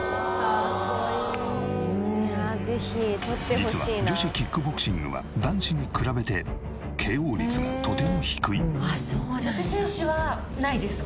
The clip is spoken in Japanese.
実は女子キックボクシングは男子に比べてＫＯ率がとても低い。